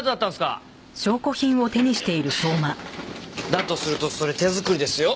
だとするとそれ手作りですよ。